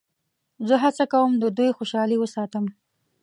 زه هڅه کوم د دوی خوشحالي وساتم.